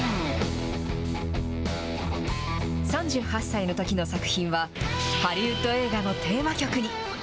３８歳のときの作品は、ハリウッド映画のテーマ曲に。